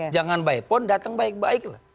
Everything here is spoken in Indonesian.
jangan by phone datang baik baik lah